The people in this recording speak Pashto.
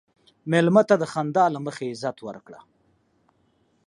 مېلمه ته د خندا له مخې عزت ورکړه.